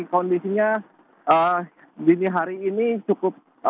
kondisinya dini hari ini cukup